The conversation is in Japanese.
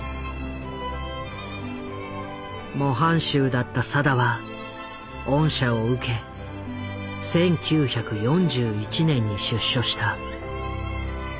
模範囚だった定は恩赦を受け１９４１年に出所した。